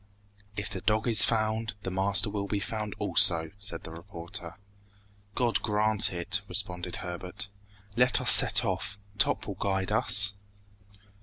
"If the dog is found, the master will be found also!" said the reporter. "God grant it!" responded Herbert. "Let us set off! Top will guide us!"